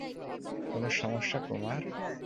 কোন সমস্যা, কুমার?